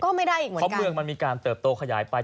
ก็ไม่ได้อีกเหมือนกันเพราะเมืองมันมีการเติบโตขยายไป